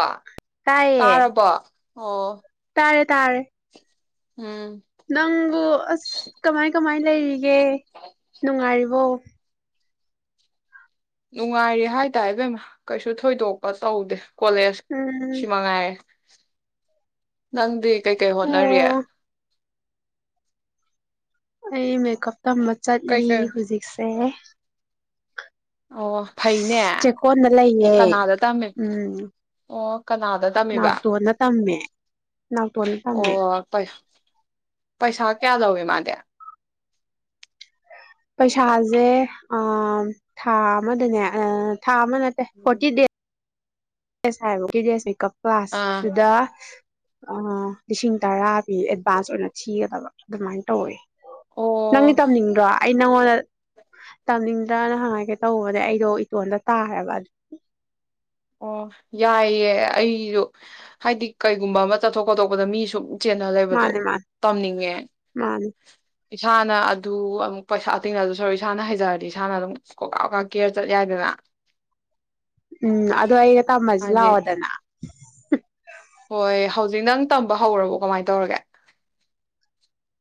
ꯑ ꯇꯥꯏꯌꯦ ꯇꯥꯔꯕꯣ ꯑꯣ ꯇꯥꯔꯦ ꯇꯥꯔꯦ ꯎꯝ ꯅꯪꯕꯨ ꯑꯁ ꯀꯃꯥꯏ ꯀꯃꯥꯏ ꯂꯩꯔꯤ ꯒꯦ ꯅꯨꯡꯉꯥꯏꯔꯤꯕꯣ ꯅꯨꯡꯉꯥꯏꯔꯤ ꯍꯥꯏꯇꯥꯏ ꯏꯕꯦꯝꯃꯥ ꯀꯩꯁꯨ ꯊꯣꯏꯗꯣꯛꯄ ꯇꯧꯗꯦ ꯀꯣꯂꯦꯖ ꯁꯤ ꯎꯝ ꯃꯉꯥꯏꯔꯦ [inaudible] ꯅꯪꯗꯤ ꯀꯩ ꯀꯩ ꯍꯣꯠꯅꯔꯤ ꯑꯣ ꯑꯩ ꯃꯦꯀꯞ ꯇꯝꯕ ꯆꯠꯂꯤ ꯀꯩꯀꯩ ꯍꯧꯖꯤꯛꯁꯦ [inaudible] ꯑꯣ ꯐꯩꯅꯦ ꯆꯦꯛꯀꯣꯟꯗ ꯂꯩꯌꯦ ꯀꯅꯥꯗ ꯇꯝꯃꯦꯕ ꯎꯝ ꯑꯣ ꯀꯅꯥꯗ ꯇꯝꯃꯤꯕ ꯅꯥꯎꯇꯣꯟꯗ ꯇꯝꯃꯦ ꯅꯥꯎꯇꯣꯟꯗ ꯑꯣ ꯇꯝꯃꯦ ꯐꯩ ꯄꯩꯁꯥ ꯀꯌꯥꯂꯧꯒꯦ ꯃꯥꯗꯤ ꯄꯩꯁꯥꯁꯦ ꯊꯥ ꯑꯃꯗꯅꯦ ꯑꯥ ꯊꯥ ꯑꯃ ꯅꯠꯇꯦ ꯐꯣꯔꯇꯤ ꯗꯦꯁ ꯐꯣꯔꯇꯤ ꯗꯦꯁ ꯍꯥꯏꯕ ꯐꯣꯔꯇꯤ ꯗꯦꯁ ꯃꯦꯀꯞ꯫ ꯑꯥ ꯀꯂꯥꯁꯇꯨꯗ ꯑꯥ ꯂꯤꯁꯤꯡ ꯇꯔꯥ ꯄꯤ ꯑꯦꯗꯚꯥꯟꯁ ꯑꯣꯏꯅ ꯊꯤꯒꯗꯕ ꯑꯗꯨꯃꯥꯏꯅ ꯇꯧꯋꯦ꯫ ꯅꯪꯗꯤ ꯑꯣ ꯇꯝꯅꯤꯡꯗ꯭ꯔꯣ ꯑꯩ ꯅꯪꯉꯣꯟꯗ ꯇꯝꯅꯤꯡꯗ꯭ꯔꯅ ꯍꯪꯒꯦ ꯇꯧꯕꯅꯦ ꯑꯩꯗꯣ ꯏꯇꯣꯟꯜꯗ ꯇꯥꯔꯦꯕ ꯑꯗꯨ ꯑꯣ ꯌꯥꯏꯌꯦ ꯑꯩꯁꯨ ꯍꯥꯏꯗꯤ ꯀꯩꯒꯨꯝꯕ ꯑꯃ ꯆꯠꯊꯣꯛ ꯈꯣꯇꯣꯛꯄꯗ ꯃꯤꯁꯨ ꯆꯦꯟꯅ ꯂꯩꯕꯗꯣ ꯃꯥꯅꯦ ꯃꯥꯅꯦ ꯇꯝꯅꯤꯡꯉꯦ ꯃꯥꯅꯦ ꯏꯁꯥꯅ ꯑꯗꯨ ꯄꯩꯁꯥ ꯑꯇꯤꯡꯅ ꯑꯗꯨ ꯁꯔꯨ ꯏꯁꯥꯅ ꯍꯩꯖꯔꯗꯤ ꯏꯁꯥꯅ ꯑꯗꯨꯝ ꯀꯣꯀꯥ ꯀꯀꯥ ꯀꯦꯔ ꯆꯠ ꯌꯥꯏꯗꯅ ꯎꯝ ꯑꯗꯨ ꯑꯩꯒ ꯇꯥꯝꯃꯁꯤ ꯍꯥꯏꯗꯤ ꯂꯥꯀꯎꯗꯟ [unintelligible] ꯍꯣꯏ ꯍꯧꯖꯤꯛ ꯅꯪ ꯇꯝꯕ ꯍꯧꯔꯕꯣ ꯀꯃꯥꯏ ꯇꯧꯔꯒꯦ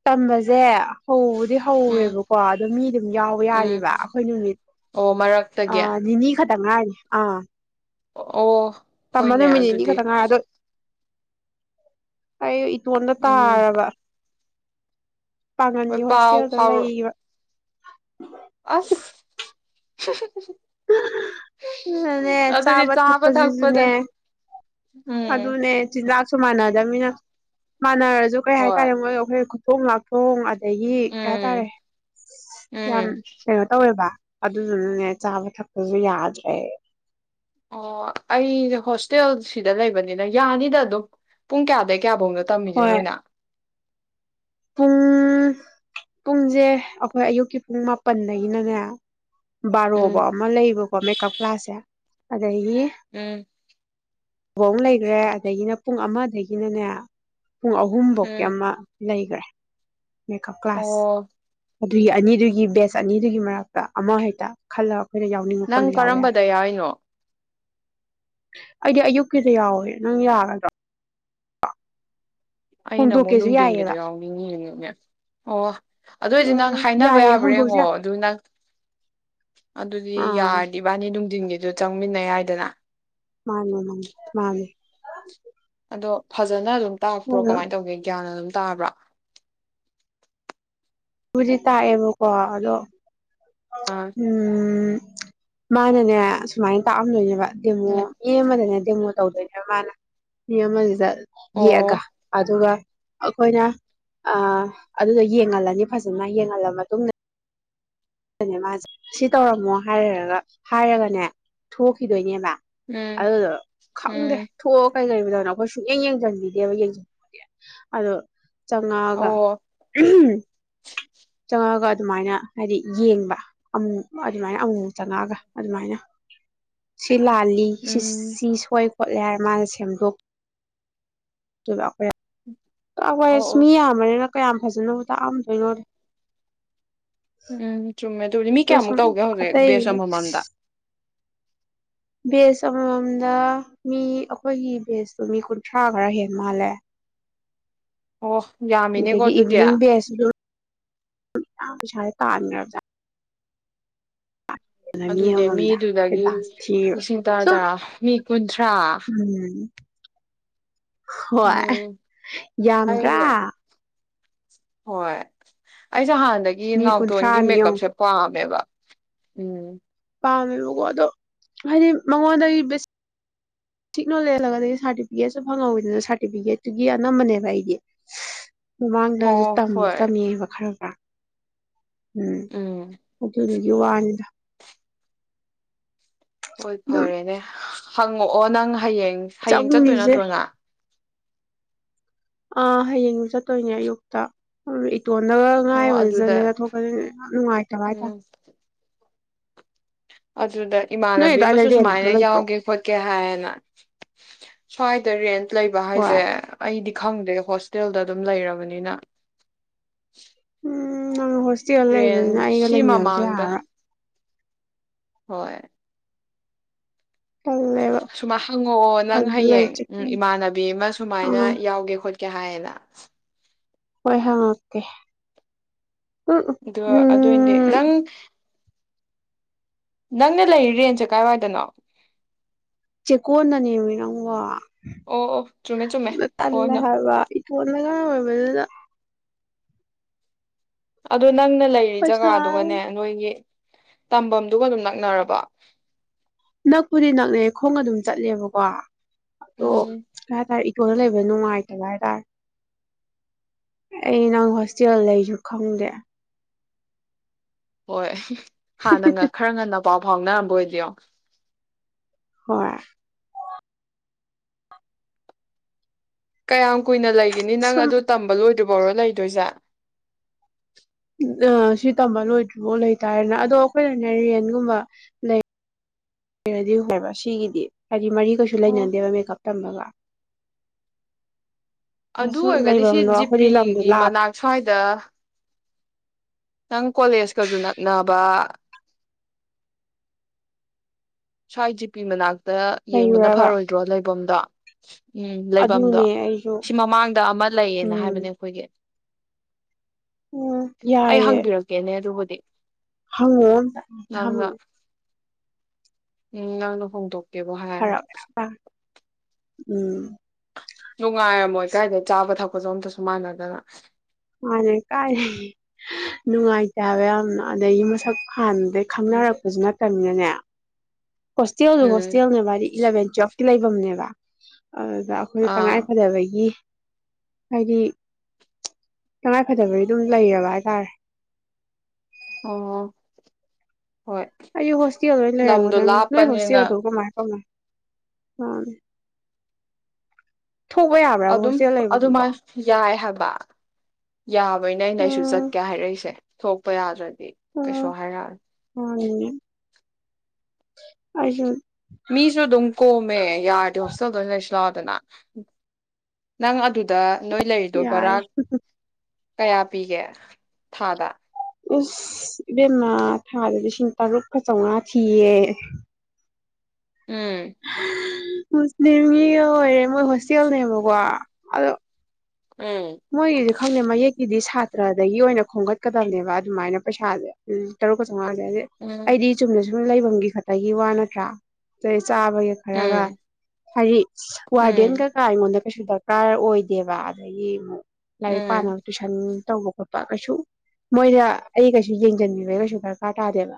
ꯇꯝꯕꯁꯦ ꯍꯣ ꯕꯨꯗꯤ ꯎꯝ ꯍꯧꯔꯦꯕꯀꯣ ꯑꯗꯣ ꯃꯤ ꯑꯗꯨꯝ ꯌꯥꯎꯕ ꯎꯝ ꯌꯥꯔꯤꯕꯔꯤꯕ ꯑꯩꯈꯣꯏ ꯅꯨꯃꯤꯠ ꯑꯣ ꯃꯔꯛꯇꯒꯤ ꯅꯤꯅꯤ ꯈꯛꯇ ꯉꯥꯏꯔꯤ ꯑꯥ ꯑꯣ ꯇꯃ ꯍꯣꯏꯅꯦ ꯅꯨꯃꯤꯠꯅꯤꯅꯤ ꯑꯗꯨꯗꯤ ꯈꯛꯇ ꯉꯏ ꯑꯗꯨ ꯑꯩ ꯏꯇꯣꯝꯠ ꯎꯝ ꯇꯥꯔꯕ ꯍꯣꯏ ꯄꯥꯉꯟꯒꯤ ꯄꯥꯎ ꯍꯣꯁꯇꯦꯜꯗ ꯐꯥꯎꯔꯛ ꯂꯩꯔꯤꯕ ꯑꯁ [unintelligible] ꯑꯗꯨꯅꯦ ꯑꯗꯨꯗꯤ ꯆꯥꯕ ꯊꯛꯄꯗ ꯊꯛꯄꯁꯤꯁꯨꯅꯦ ꯎꯝ ꯑꯗꯨꯅꯦ ꯆꯤꯟꯖꯥꯛ ꯁꯨꯃꯅꯥꯗ ꯃꯤꯅ ꯃꯥꯅ ꯑꯗꯨ ꯀꯩ ꯍꯣꯏ ꯍꯥꯏꯇꯥꯔꯦ ꯃꯣꯏꯒ ꯑꯥꯈꯣꯏꯒ ꯊꯣꯡ ꯂꯥꯛ ꯊꯣꯡ ꯑꯗꯒꯤ ꯀꯩ ꯍꯥꯏꯇꯥꯔꯦ ꯎꯝ ꯌꯥꯝ ꯎꯝ ꯀꯩꯅꯣ ꯇꯧꯋꯦꯕ ꯑꯗꯨꯗꯨꯅꯥꯅꯦ ꯆꯥꯕ ꯊꯛꯄꯁꯨ ꯌꯥꯗꯔꯦ ꯑꯣ ꯑꯩꯁꯦ ꯍꯣꯁꯇꯦꯜ ꯁꯤꯗ ꯂꯩꯕꯅꯤꯅ ꯌꯥꯅꯤꯗ ꯑꯗꯨꯝ ꯄꯨꯡ ꯀꯌꯥꯗꯩꯩ ꯀꯌꯥꯐꯧꯅꯣ ꯇꯝꯃꯤꯁꯦ ꯍꯣꯏ ꯅꯣꯏꯅ ꯄꯨꯡ ꯄꯨꯡꯁꯦ ꯑꯩꯈꯣꯏ ꯑꯌꯨꯛꯀꯤ ꯄꯨꯡ ꯃꯥꯄꯟꯗꯒꯤꯅꯅꯦ ꯎꯝ ꯕꯥꯔꯣꯕꯥꯑꯣ ꯑꯃ ꯂꯩꯌꯦꯕ ꯃꯦꯀꯞ ꯀ꯭ꯂꯁꯦ ꯑꯗꯒꯤ ꯎꯝ ꯕꯥꯑꯣ ꯑꯃꯥ ꯂꯩꯈ꯭ꯔꯦ ꯑꯗꯒꯤꯅ ꯄꯨꯡ ꯑꯃꯗꯒꯤꯅꯅꯦ ꯄꯨꯡ ꯑꯍꯨꯝꯐꯧꯀꯤ ꯎꯝ ꯑꯃ ꯂꯩꯈ꯭ꯔꯦ ꯃꯦꯀꯞ ꯀ꯭ꯂꯥꯁ ꯑꯣ ꯑꯗꯨꯒꯤ ꯑꯅꯤꯗꯨꯒꯤ ꯕꯦꯁ ꯑꯅꯤꯗꯨꯒꯤ ꯃꯔꯛꯇ ꯑꯃ ꯍꯦꯛꯇ ꯈꯜꯂꯛ ꯅꯪ ꯀꯔꯝꯕꯗ ꯌꯥꯎꯔꯤꯅꯣ ꯑꯩꯗꯤ ꯑꯌꯨꯛꯀꯤꯗ ꯌꯥꯎꯋꯦ ꯅꯪ ꯌꯥꯒꯗ꯭ꯔꯥ ꯑꯩꯅ ꯑꯃꯨꯛ ꯅꯨꯡꯗꯤꯟꯒꯤꯗꯨ ꯌꯥꯎꯅꯤꯡꯉꯤ ꯑꯣ ꯑꯗꯨꯑꯣꯏꯗꯤ ꯅꯪ ꯎꯝ ꯍꯥꯏꯅꯕ ꯌꯥꯏꯌꯦ ꯌꯥꯕ꯭ꯔꯥ ꯍꯣꯡꯗꯣꯛꯁꯦ ꯌꯦꯡꯉꯣ ꯑꯗꯨ ꯅꯪ ꯑꯗꯨꯗꯤ ꯑꯥ ꯌꯥꯔꯗꯤ ꯏꯕꯥꯅꯤ ꯑꯗꯨꯝ ꯖꯤꯟꯒꯤꯗꯨ ꯆꯪꯃꯤꯟꯅ ꯌꯥꯏꯗꯅ ꯃꯥꯅꯦ ꯃꯥꯅꯤ ꯃꯥꯅꯦ ꯑꯗꯣ ꯐꯖꯅ ꯑꯗꯨꯝ ꯇꯥꯛꯄ꯭ꯔꯣ ꯑꯗꯣ ꯀꯃꯥꯏꯅ ꯇꯧꯒꯦ ꯒ꯭ꯌꯥꯟ ꯑꯗꯨꯝ ꯇꯥꯕ꯭ꯔ ꯄꯨꯖꯤ ꯇꯥꯛꯌꯦꯕꯨ ꯀꯣꯗꯣ ꯑꯥ ꯎꯝ ꯃꯥꯅꯅꯦ ꯁꯨꯃꯥꯏꯅ ꯇꯥꯛꯑꯝꯗꯣꯏꯅꯦꯕ ꯗꯦꯃꯣ ꯎꯝ ꯃꯤꯃꯅꯦ ꯗꯦꯃꯣ ꯇꯧꯗꯣꯏꯅꯦ ꯃꯥꯅ ꯃꯤ ꯑꯃꯖꯤꯗ ꯌꯦꯛꯑꯒ ꯑꯣ ꯑꯗꯨꯒ ꯑꯩꯈꯣꯏꯅ ꯑꯗꯨꯗ ꯌꯦꯡꯍꯜꯂꯅꯤ ꯐꯖꯅ ꯌꯦꯡꯍꯜꯂ ꯃꯇꯨꯡꯗ ꯅꯦ ꯃꯥꯁꯦ ꯁꯤ ꯇꯧꯔꯝꯃꯣ ꯍꯥꯏꯔꯒ ꯍꯥꯏꯔꯒꯅꯦ ꯊꯣꯛꯈꯤꯗꯣꯏꯅꯦꯕ ꯎꯝ ꯑꯗꯨꯗꯣ ꯈꯪꯗꯦ ꯎꯝ ꯊꯣꯛꯑ ꯀꯩ ꯀꯔꯤ ꯑꯩꯈꯣꯏ ꯁꯨꯛꯌꯦꯡ ꯌꯦꯡꯁꯤꯟꯕꯤꯗꯦꯕ ꯌꯦꯡꯁꯤꯟ ꯑꯗꯣ ꯆꯪꯉꯛꯑꯒ ꯑꯣ ꯎꯍꯝ ꯆꯪꯉꯒ ꯑꯗꯨꯃꯥꯏꯅ ꯍꯥꯏꯗꯤ ꯌꯦꯡꯕ ꯑꯃꯨꯛ ꯑꯗꯨꯃꯥꯏꯅ ꯑꯃꯨ ꯆꯪꯉꯛꯑꯒ ꯑꯗꯨꯃꯥꯏꯅ ꯁꯤꯂꯥꯂꯤ ꯁꯤ ꯎꯝ ꯁꯤ ꯁꯣꯏ ꯈꯣꯠꯂꯦ ꯍꯥꯏꯔ ꯃꯥꯅ ꯁꯦꯝꯗꯣꯛ ꯇꯣꯢꯕ ꯑꯈꯣꯢ ꯑꯣ ꯑꯣ ꯀꯋꯥꯁꯃꯤꯌꯥꯝꯕꯅꯤꯅ ꯀꯌꯥꯝ ꯐꯖꯅꯕꯨ ꯇꯥꯛꯑꯝꯗꯣꯏꯅꯣꯗ ꯎꯝ ꯆꯨꯝꯃꯦ ꯑꯗꯨꯗꯤ ꯃꯤ ꯑꯗꯨ ꯀꯌꯥꯃꯨꯛ ꯁꯨꯝ ꯇꯧꯒꯦ ꯍꯧꯖꯤꯛ ꯑꯇꯩ ꯕꯦꯁ ꯑꯃꯃꯝꯗ ꯕꯦꯖ ꯑꯃꯃꯝꯗ ꯃꯤ ꯑꯩꯈꯣꯏꯒꯤ ꯕꯦꯁꯇꯨ ꯃꯤ ꯀꯨꯟꯊ꯭ꯔꯥ ꯈꯔ ꯍꯦꯟ ꯃꯥꯜꯂꯦ ꯑꯣ ꯌꯥꯝꯃꯤꯅꯦꯀꯣ ꯑꯗꯒꯤ ꯑꯗꯨꯗꯤ ꯏꯚꯤꯅꯤꯡ ꯚꯦꯖ ꯄꯤꯁꯥ ꯇꯥꯟꯒ꯭ꯕꯖꯥꯠꯅꯤ ꯑꯗꯨꯅꯦ ꯑꯃꯃꯝꯗ ꯃꯤꯗꯨꯗꯒꯤ ꯑꯦꯗꯚꯥꯟꯁ ꯊꯤꯔꯤꯕ ꯂꯤꯁꯤꯡ ꯇꯔꯥ ꯁꯨꯝ ꯇꯔꯥ ꯃꯤ ꯀꯨꯟꯊ꯭ꯔꯥ ꯎꯝ ꯍꯣꯏ ꯎꯝ ꯌꯥꯝꯗ꯭ꯔꯥ ꯑꯩ ꯍꯣꯏ ꯑꯩꯁꯨ ꯍꯥꯟ ꯑꯗꯒꯤ ꯃꯤ ꯅꯥꯎꯇꯣꯟꯒꯤ ꯀꯨꯟꯊ꯭ꯔꯥꯅꯤ ꯌꯦꯡꯉꯨ ꯃꯦꯀꯞꯁꯦ ꯄꯥꯝꯃꯦꯕ ꯎꯝ ꯄꯥꯝꯃꯦꯕꯀꯣ ꯑꯗꯣ ꯍꯥꯏꯗꯤ ꯃꯉꯣꯟꯗꯒꯤ ꯕꯦꯁꯤꯛꯅꯣ ꯂꯦꯜꯂꯒꯗꯤ ꯁꯥꯔꯇꯤꯐꯤꯀꯦꯠꯁꯨ ꯐꯪꯍꯧꯋꯤꯗꯅ ꯁꯥꯔꯇꯤꯐꯤꯀꯦꯠꯇꯨꯒꯤ ꯑꯅꯝꯕꯅꯦꯕ ꯑꯩꯗꯤ ꯃꯃꯥꯡꯗꯁꯨ ꯑꯣ ꯍꯣꯏ ꯇꯝꯃꯤꯕ ꯈꯔ ꯈꯔ ꯎꯝ ꯎꯝ ꯍ ꯌꯨ ꯋꯥꯟꯗ ꯍꯣꯏ ꯑꯗꯨꯝ ꯐꯔꯦꯅꯦ ꯍꯪꯉꯛꯑꯣ ꯅꯪ ꯍꯥꯏꯌꯦ ꯍꯌꯦꯡ ꯆꯠꯇꯣꯏ ꯆꯪꯉꯤꯁꯦ ꯅꯠꯇ꯭ꯔꯣꯅ ꯑ ꯍꯌꯦꯡ ꯆꯠꯇꯣꯏꯅꯦ ꯑꯌꯨꯛꯇ ꯇꯣꯟꯅꯕ ꯑꯣ ꯑꯗꯨꯗ ꯉꯥꯏꯗꯅꯦꯅ ꯊꯣꯛꯀꯅꯤꯅꯦ ꯌꯥꯝ ꯅꯨꯡꯉꯥꯏꯇꯕ ꯍꯥꯏꯇꯥꯔꯦ ꯎꯝ ꯑ ꯑꯗꯨꯗ ꯅꯣꯏ ꯏꯃꯥꯟꯅꯕꯤ ꯑꯗꯨꯋꯥꯏꯗ ꯑꯃꯁꯨ ꯔꯦꯟꯒ ꯁꯨꯃꯥꯏꯅ ꯂꯩꯇ꯭ꯔꯣ ꯌꯥꯎꯒꯦ ꯈꯣꯠꯀꯦ ꯍꯥꯏꯑꯅ ꯁꯋꯥꯗꯔꯤꯟ ꯂꯩꯕ ꯍꯥꯏꯁꯦ ꯍꯣꯏ ꯑꯩꯗꯤ ꯈꯪꯗꯦ ꯍꯣꯁꯇꯦꯜꯗ ꯑꯗꯨꯝ ꯂꯩꯔꯕꯅꯤꯅ ꯎꯝ ꯅꯪ ꯍꯣꯁꯇꯦꯜ ꯂꯩꯕꯅꯤꯅ ꯔꯦꯟ ꯑꯩꯒ ꯁꯤ ꯂꯩꯃꯤꯟꯅꯕꯁꯨ ꯃꯃꯥꯡꯗ ꯌꯥꯔꯣꯏ ꯍꯣꯏ ꯇꯜꯂꯦꯕ ꯁꯨꯝꯃꯥꯏ ꯍꯪꯉꯛꯑꯣ ꯅꯪ ꯑꯗꯨꯗ ꯍꯌꯦꯡ ꯂꯩꯔꯤꯁꯦ ꯎ ꯏꯃꯥꯟꯅꯕꯤ ꯑꯃ ꯁꯨꯃꯥꯏꯅ ꯑꯥ ꯌꯥꯎꯒꯦ ꯈꯣꯠ ꯀ ꯍꯥꯏꯅ ꯍꯣꯏ ꯍꯥꯡꯀꯦ ꯑ ꯑꯗꯨꯗꯤ ꯅꯪ ꯅꯪꯅ ꯂꯩꯔꯤ ꯔꯦꯟꯁꯦ ꯀꯥꯏꯋꯥꯏꯗꯅꯣ ꯆꯦꯛꯀꯣꯟꯅꯅꯦꯃꯤ ꯅꯪꯕ ꯑꯣ ꯑꯣ ꯆꯨꯝꯃꯦ ꯆꯨꯝꯃꯦ ꯍꯣꯏ ꯇꯥꯟꯂ ꯅ ꯍꯥꯏꯔꯔꯕ ꯏ ꯄꯂꯒ ꯑꯣꯏ ꯑꯗꯨꯗ ꯅꯪꯅ ꯂꯩꯔꯤ ꯄꯩꯁꯥ ꯖꯒꯥꯗꯨꯒꯅꯦ ꯅꯣꯏꯒꯤ ꯇꯐꯝꯗꯨꯒ ꯑꯗꯨꯝ ꯅꯛꯅꯔꯕ ꯅꯛꯄꯨꯗꯤ ꯅꯛꯅꯦ ꯈꯣꯡꯒ ꯑꯗꯨꯝ ꯆꯠꯂꯦꯕꯀꯣ ꯣ ꯎꯝ ꯀ ꯇꯥꯔ ꯍꯣꯇꯣꯜ ꯂꯩꯕ ꯅꯨꯡꯉꯥꯏꯇꯕ ꯍꯥꯏꯇꯥꯔꯦ ꯑꯩ ꯅꯪ ꯍꯣꯁꯇꯦꯜ ꯂꯩꯁꯨ ꯈꯪꯗꯦ ꯍꯣꯏ ꯍꯥ ꯅꯪꯒ ꯈꯔ ꯉꯟꯅ ꯄ ꯍꯥꯎꯅ ꯕꯣꯏꯗ ꯍꯣꯏ ꯀꯌꯥꯝ ꯀꯨꯏꯅ ꯂꯩꯦ ꯅꯤ ꯅꯪ ꯁꯨꯝ ꯑꯗꯨꯗꯣ ꯇꯝꯕ ꯂꯣꯏ ꯕꯣꯔꯣ ꯂꯩꯗꯣꯢꯖꯦ ꯑ ꯁꯤ ꯇꯝꯕ ꯂꯣꯏꯗ꯭ꯔꯤꯕꯥꯎ ꯂꯩꯇꯥꯔꯦꯟꯅ ꯑꯗꯣ ꯑꯩꯈꯣꯏꯅꯅꯦ ꯔꯦꯟꯒꯨꯝꯕ ꯂꯩ ꯔꯗꯤ ꯐꯩꯕ ꯁꯤꯒꯤꯗꯤ ꯍꯥꯏ ꯃꯔꯤ ꯀꯩꯁꯨ ꯑꯣ ꯂꯩꯅꯗꯦꯕ ꯃꯦꯀꯞ ꯇꯝꯕꯒ ꯑꯗꯨ ꯁꯨꯝ ꯑꯣꯏꯔꯒꯗꯤ ꯁꯤ ꯂꯩꯐꯝꯗꯣ ꯑꯩꯈꯣꯏꯗꯤ ꯂꯝꯗꯣ ꯖꯤꯄꯤꯒꯤ ꯂꯥꯞ ꯃꯅꯥꯛ ꯁ꯭ꯋꯥꯏꯗ ꯅꯪ ꯀꯣꯂꯦꯖꯀꯁꯨ ꯅꯛꯅꯕ ꯁ꯭ꯋꯥꯢ ꯖꯤ ꯄꯤ ꯃꯅꯥꯛ ꯗ ꯌꯦꯡꯕꯅ ꯂꯩꯔꯨꯔꯕ ꯐꯔꯣꯏꯗ꯭ꯔꯣ ꯂꯩꯕꯝꯗꯣ ꯎꯝ ꯂꯩꯕꯝꯗꯣ ꯑꯗꯨꯅꯦ ꯑꯩꯁꯨ ꯁꯤ ꯃꯃꯥꯡꯗ ꯑꯃ ꯂꯩꯌꯦꯅ ꯎꯝ ꯍꯥꯏꯕꯅꯦ ꯑꯩꯈꯣꯏꯒꯤ ꯎꯝ ꯑꯩ ꯌꯥꯢꯌꯦ ꯍꯪꯕꯤꯔꯛꯀꯦꯅꯦ ꯑꯗꯨꯕꯨꯗꯤ ꯍꯡꯉꯣ ꯑꯝꯇ ꯅꯪꯅ ꯍꯡꯉꯣ ꯎꯝ ꯅꯪꯅ ꯍꯣꯡꯗꯣꯛ ꯕꯨ ꯐꯔꯛ ꯍꯥꯢꯔꯗꯤ ꯌꯥꯝ ꯇꯥꯏ ꯎꯝ ꯅꯨꯡꯉꯥꯢꯔꯝꯃꯣꯢ ꯀꯥꯏꯗꯩ ꯆꯥꯕ ꯊꯛꯄꯖꯨ ꯑꯝꯇꯁꯨ ꯃꯥꯟꯅꯗꯅ ꯃꯥꯅꯦ ꯀꯥꯏ ꯅꯨꯡꯉꯥꯏꯇꯦꯕ ꯌꯥꯝꯅ ꯑꯗꯒꯤ ꯃꯁꯛ ꯍꯥꯟꯗꯩ ꯎꯝ ꯈꯪꯅꯔꯛꯄꯖꯨ ꯅꯠ ꯇꯝꯅꯤꯅꯅꯦ ꯍꯣꯁꯇꯦꯜꯗꯤ ꯎꯝ ꯍꯣꯁꯇꯦꯜꯅꯦ ꯃꯥꯗꯤ ꯏꯂꯚꯦꯟ ꯇ꯭ꯋꯦꯞ ꯂꯩꯕꯝꯅꯦꯕ ꯑꯗꯨꯗ ꯑꯩꯈꯣꯏꯗ ꯇꯉꯥꯏ ꯑꯥ ꯐꯗꯕꯒꯤ ꯍꯥꯏꯗꯤ ꯇꯉꯥꯏꯐꯗꯕꯒꯤ ꯑꯗꯨꯝ ꯂꯩꯔꯕ ꯍꯥꯢ ꯇꯥꯥꯔꯦ ꯑꯣꯋꯣ ꯑꯩꯖꯨ ꯍꯣꯁꯇꯦꯜꯗ ꯑꯣꯏ ꯂꯩꯔꯝꯒꯗꯕꯅꯤ ꯅꯣꯢ ꯂꯥꯞꯄꯅꯤꯅ ꯍꯣꯁꯇꯦꯜꯗꯣ ꯀꯃꯥꯢ ꯀꯃꯥꯢ ꯍꯣꯏ ꯊꯣꯛꯄ ꯌꯥꯕ꯭ꯔꯥꯕ ꯑꯗꯨꯝ ꯍꯣꯁꯇꯦꯜ ꯂꯩꯕꯗꯨꯕꯣ ꯑꯗꯨꯃꯥꯏꯅ [inaudible] ꯌꯥꯕꯩꯅꯦ ꯑꯩꯅ ꯑꯩꯁꯨ ꯎꯝ ꯆꯠꯀꯦ ꯍꯥꯏꯔꯛꯏꯁꯦ ꯊꯣꯛꯄ ꯌꯥꯗ꯭ꯔꯥ ꯗꯤ ꯀꯩꯁꯨ ꯍꯥꯏꯔꯛ ꯑꯔꯣꯢ ꯑꯩꯖꯨ ꯃꯤꯁꯨ ꯑꯗꯨꯝ ꯀꯣꯝꯃꯦ ꯌꯥꯔꯗꯤ ꯍꯣꯁꯇꯦꯜꯗ ꯑꯣꯏꯅ ꯂꯩꯁꯤ ꯂꯥꯛꯑꯣꯗꯅ ꯅꯪ ꯑꯗꯨꯗ ꯅꯣꯏ ꯂꯩꯔꯤꯗꯣ ꯕꯔꯥ ꯌꯥꯏ ꯀꯌꯥ ꯄꯤꯒꯦ ꯊꯥꯗ ꯏꯁ ꯏꯕꯦꯝꯃꯥ ꯊꯥꯗ ꯂꯤꯁꯤꯡ ꯇꯔꯨꯛꯀ ꯆꯧꯉꯥ ꯊꯤꯌꯦ ꯎꯝ ꯃꯨꯁꯂꯤꯝꯒꯤꯒ ꯑꯣꯏꯔꯦ ꯃꯣꯏ ꯍꯣꯁꯇꯦꯜꯅꯦꯕꯀꯣ ꯑꯗꯣ ꯎꯝ ꯃꯣꯏꯒꯤꯁꯨ ꯈꯪꯗ‌ꯦ ꯃꯌꯦꯛ ꯁꯤꯗꯤ ꯁꯥꯇ꯭ꯔꯗꯒꯤ ꯑꯣꯏꯅ ꯈꯣꯝꯒꯠꯀꯗꯕꯅꯦꯕ ꯑꯗꯨꯃꯥꯏꯅ ꯄꯩꯁꯥꯁꯦ ꯇꯔꯨꯛ ꯆꯧꯉꯥ ꯎꯝ ꯑꯩꯗꯤ ꯆꯨꯝꯅꯁꯨ ꯂꯩꯐꯝꯒꯤ ꯈꯇꯒꯤ ꯋꯥ ꯅꯠꯇ꯭ꯔꯥ ꯆꯥꯕꯒꯤ ꯈꯔꯒ ꯎꯝ ꯍꯥꯏꯗꯤ ꯋꯥꯔꯗꯦꯟ ꯎꯝ ꯀꯩꯀꯥ ꯑꯩꯉꯣꯟꯗ ꯀꯩꯁꯨ ꯗꯔꯀꯥꯔ ꯑꯣꯏꯗꯦꯕ ꯑꯗꯒꯤ ꯃꯨꯛ ꯂꯥꯏꯔꯤꯛ ꯎꯝ ꯄꯥꯅꯕ ꯇꯨꯏꯁꯟ ꯇꯧꯕ ꯈꯣꯠꯄ ꯀꯩꯁꯨ ꯃꯣꯏꯗ ꯑꯩ ꯀꯩꯁꯨ ꯌꯦꯡꯁꯤꯟꯕꯤꯕꯩ ꯀꯩꯁꯨ ꯗꯔꯀꯥꯔ ꯇꯥꯗꯦꯕ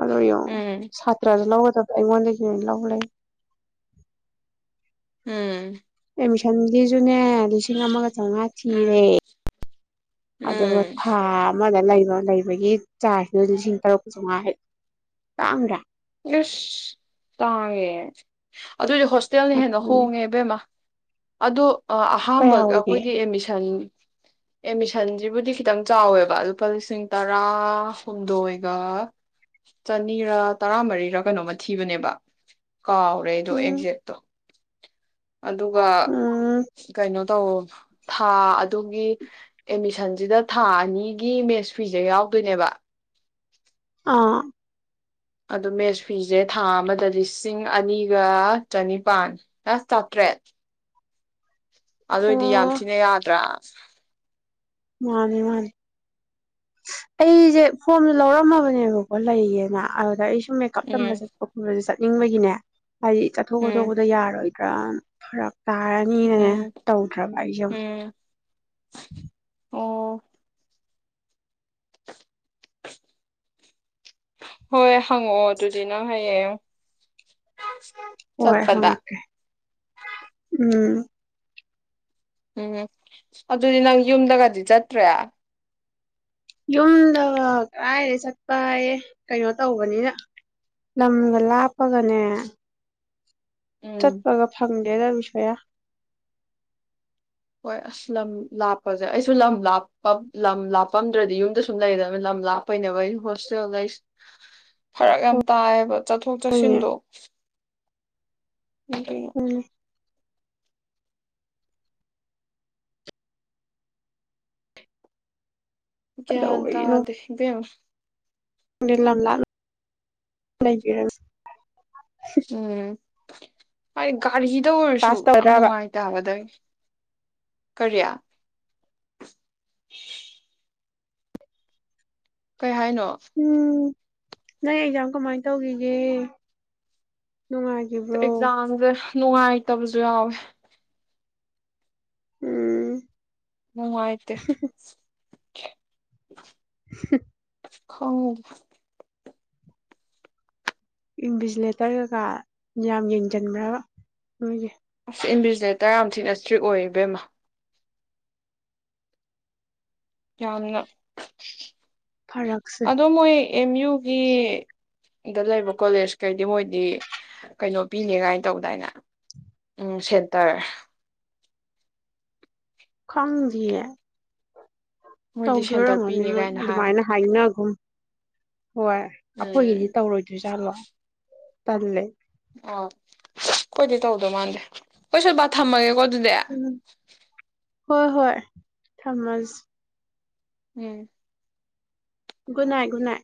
ꯑꯗ‌ꯣ ꯌ‌ꯦꯡꯉ‌ꯣ ꯎꯝ ꯁꯥꯇ꯭ꯔꯥꯁꯨ ꯅꯪꯅ ꯑꯩꯉ‌ꯣꯟꯗꯒꯤ ꯑꯣꯏꯅ ꯂꯧ ꯂꯩ ꯎꯝ ꯑꯦꯠꯃꯤꯁꯟꯒꯤꯁꯨ ꯅ‌ꯦ ꯂꯤꯁꯤꯡ ꯑꯃꯒ ꯆꯧꯉꯥ ꯊꯤꯔꯦ ꯎꯝ ꯑꯗꯨꯒ ꯎꯝ ꯊꯥ ꯑꯃꯗ ꯂꯩꯐꯝ ꯂꯩꯕꯒꯤ ꯆꯥꯔꯁꯗꯨꯅ ꯂꯤꯁꯤꯡ ꯇꯔꯨꯛ ꯀ ꯆꯧꯉꯥ ꯍꯥꯏꯔꯛꯑꯦ ꯇꯥꯡꯗꯔꯥ ꯑꯁ ꯇꯥꯡꯉ‌ꯦ [inaudible] ꯑꯗꯨꯑꯣꯏꯗꯤ ꯍꯣꯁꯇꯦꯜꯅ ꯍꯦꯟꯅ ꯑꯗꯨꯅꯤ ꯍꯣꯡꯉꯦ ꯏꯕꯦꯝꯃ ꯑꯗ‌ꯣ ꯑꯍꯥꯥꯟꯕ ꯀꯌꯥ ꯑꯣꯏꯒꯦ ꯑꯩꯈꯣꯏꯒꯤ ꯑꯦꯠꯃꯤꯁꯟ ꯑꯦꯠꯃꯤꯁꯟꯁꯤꯕꯨꯗꯤ ꯈꯤꯇꯪ ꯆꯥꯎꯋꯦꯕ ꯂꯨꯄꯥ ꯂꯤꯁꯤꯡ ꯇꯔꯥ ꯍꯨꯝꯗꯣꯏꯒ ꯆꯅꯤꯔꯥ ꯇꯔꯥꯃꯔꯤꯔ ꯀꯩꯅꯣꯝꯃ ꯊꯤꯕꯅꯦꯕ ꯀꯥꯎꯔꯦ ꯑꯩꯗꯣ ꯎꯝ ꯑꯦꯛꯖꯦꯛꯇ‌ꯣ ꯑꯗꯨꯒ ꯎꯝ ꯀꯩꯅꯣ ꯇꯧ ꯊꯥ ꯑꯗꯨꯒꯤ ꯑꯦꯠꯃꯤꯁꯟꯁꯤꯗ ꯊꯥ ꯑꯅꯤꯒꯤ ꯃꯦꯁ ꯐꯤꯁꯦ ꯌꯥꯎꯗꯣꯏꯅꯦꯕ ꯑꯥ ꯑꯗꯨ ꯃꯦꯁ ꯐꯤꯁꯦ ꯊꯥ ꯑꯃꯗ ꯂꯤꯁꯤꯡ ꯑꯅꯤꯒ ꯆꯅꯤꯄꯥꯟ ꯑ ꯆꯥꯇ꯭ꯔꯦꯠ ꯑꯗꯨꯏꯗꯤ ꯌꯥꯝ ꯑꯣ ꯊꯤꯅ ꯌꯥꯗ꯭ꯔꯥ [inaudible] ꯃꯥꯅꯤ ꯃꯥꯅꯤ ꯑꯩꯁꯦ ꯐꯣꯝꯗꯣ ꯂꯧꯔꯝꯃꯕꯅꯦꯕꯀꯣ ꯂꯩꯌꯦꯅ ꯑꯗꯨꯗ ꯑꯩꯁꯨ ꯃꯦꯀꯞ ꯎꯝ ꯇꯝꯕꯖꯦ [unintelligible] ꯅꯤꯡꯕꯒꯤꯅꯦ ꯍꯥꯏꯗꯤ ꯆꯠꯊꯣꯛ ꯎꯝ ꯀꯠꯊꯣꯛꯄꯗ ꯌꯥꯔꯣꯏ ꯗ꯭ꯔ ꯐꯔꯛ ꯇꯥꯔꯅꯤꯅꯦ ꯎꯝ ꯇꯧꯗ꯭ꯔꯕ ꯑꯩꯁꯨꯝ ꯎꯝ ꯑꯣ [inaudible] ꯍꯣꯏ ꯍꯪꯉꯛꯑꯣ ꯑꯗꯨꯗꯤꯅꯪ ꯍꯌꯦꯡ ꯑꯣꯏ ꯆꯠꯄꯗ ꯍꯉꯛꯀꯦ ꯎꯝ ꯎꯝ ꯑꯗꯨꯗꯤ ꯅꯪ ꯌꯨꯝꯗꯒꯗꯤ ꯆꯠꯇ꯭ꯔꯦ ꯌꯨꯝꯗ ꯀꯗꯥꯥꯏꯗ ꯆꯠꯄꯌꯦ ꯀꯩꯅꯣ ꯇꯧꯕꯅꯤꯅ ꯂꯝꯒ ꯂꯥꯞꯄꯒꯅꯦ ꯎꯝ ꯆꯠꯄꯒ ꯐꯪꯗꯦꯗ ꯀꯌꯥ ꯍꯣꯏ ꯑꯁ ꯂꯝ ꯂꯥꯞꯄꯁꯦ ꯑꯩꯁꯨ ꯂꯝ ꯂꯥꯞꯄ ꯂꯝ ꯂꯥꯞꯄꯝꯗ꯭ꯔꯗꯤ ꯌꯨꯝꯗ ꯁꯨꯝ ꯂꯩꯗꯕꯅ ꯂꯝ ꯂꯥꯞꯄꯩꯅꯦꯕ ꯑꯩ ꯍꯣꯁꯇꯦꯜ ꯂꯩꯁꯦ ꯐꯔꯛ ꯌꯥꯝ ꯇꯥꯏꯌꯦꯕ ꯆꯠꯊꯣꯛ ꯍꯣꯏꯅꯦ ꯆꯠꯁꯤꯟꯗꯣ ꯎꯝ [unintelligible] ꯒꯌꯥꯟ ꯀꯩꯗꯧꯕꯒꯤꯅꯣ ꯇꯥꯗꯦ ꯏꯕꯦꯝꯃ ꯂꯝ ꯂꯥꯞꯅ [unintelligible] ꯎꯝ ꯍꯥꯢꯒ ꯀꯔꯤꯗ ꯑꯣꯏꯔꯁꯨ ꯀ꯭ꯂꯥꯁ ꯌꯥꯝ ꯇꯧꯗ꯭ꯔꯕ ꯅꯨꯡꯉꯥꯏ ꯇꯕꯗꯪ ꯀꯔꯤ [inaudible] ꯀꯩ ꯍꯥꯏꯅꯣ ꯎꯝ ꯅꯪ ꯑꯦꯛꯖꯥꯝ ꯀꯃꯥꯏꯅ ꯇꯧꯈꯤꯒꯦ ꯅꯨꯡꯉꯥꯏꯈꯤꯕ꯭ꯔꯣ ꯑꯦꯛꯖꯥꯝꯁꯦ ꯅꯨꯡꯉꯥꯏꯇꯕꯁꯨ ꯌꯥꯎꯋꯦ ꯎꯝ ꯅꯨꯡꯉꯥꯏꯇꯦ [inaudible] ꯍ ꯍ ꯈꯪ ꯏꯚꯤꯖꯤꯂꯦꯇꯔ ꯀꯩꯀꯥ ꯌꯥꯝ ꯌꯦꯡꯁꯤꯟꯕ꯭ꯔꯕ ꯅꯣꯏꯒꯤ ꯑꯁ ꯏꯟꯕꯤꯖꯤꯂꯦꯇꯔ ꯌꯥꯝ ꯊꯤꯅ ꯏꯁꯇ꯭ꯔꯤꯛ ꯑꯣꯏꯕꯦꯝꯃ ꯌꯥꯃꯟ ꯐꯔꯛꯁꯦ ꯑꯦꯝ ꯌꯨꯒꯤ ꯗ ꯂꯩꯕ ꯀꯣꯂꯦꯖ ꯀꯩꯗꯤ ꯃꯣꯏꯗꯤ ꯀꯩꯅꯣ ꯄꯤꯅꯤ ꯀꯥꯏꯅ ꯇꯧꯕꯗꯥꯏꯅꯦ ꯎ ꯁꯦꯟꯇꯔ ꯈꯪꯗꯦꯌꯦ ꯃꯣꯏꯗꯤ ꯇꯧꯗꯣꯏ ꯁꯦꯟꯇꯔ ꯑꯣꯏꯔꯝꯒꯅꯤ ꯄꯤꯅꯤ ꯃꯣꯏ ꯀꯥꯏꯅ ꯍꯥꯏꯕꯅꯦ ꯑꯗꯨꯃꯥꯏꯅ ꯍꯥꯏꯅꯒꯨꯝ ꯍꯣꯏ ꯎꯝ ꯑꯩꯈꯣꯏꯒꯤꯗꯤ ꯇꯧꯔꯣꯏꯗꯔꯤꯖꯥꯠꯂꯣ ꯇꯂꯦ ꯑꯥ ꯀꯣꯏꯗꯤ ꯇꯧꯗꯧ ꯃꯥꯥꯟꯂꯦ ꯍꯣꯌ ꯁꯤꯜꯄꯥ ꯊꯥꯃꯒꯦꯀꯣ ꯑꯗꯨꯗꯤ ꯑꯗꯨꯗꯤ ꯎꯝ ꯍꯣꯏ ꯍꯣꯏ ꯊꯝꯃꯁꯤ ꯎꯝ ꯒꯨꯗꯅꯥꯏ ꯒꯨꯗ ꯅꯣꯏ